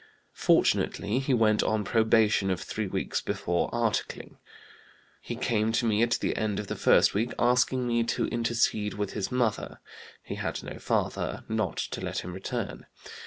Fortunately he went on probation of three weeks before articling. He came to me at the end of the first week asking me to intercede with his mother (he had no father) not to let him return.